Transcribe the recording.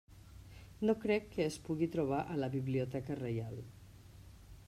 No crec que es pugui trobar a la Biblioteca Reial.